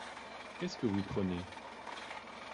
Qu’est-ce que vous prenez ?